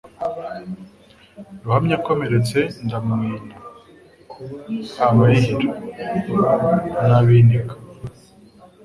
Ruhamya akomeretse ndamwina abarihira n,abinika